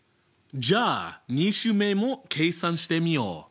じゃあ２週目も計算してみよう。